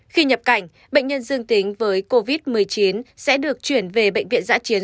khi nhập cảnh bệnh nhân dương tính với covid một mươi chín sẽ được chuyển về bệnh viện giã chiến